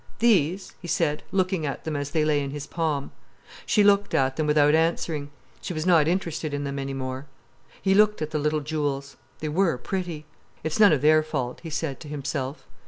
"These?" he said, looking at them as they lay in his palm. She looked at them without answering. She was not interested in them any more. He looked at the little jewels. They were pretty. "It's none of their fault," he said to himself.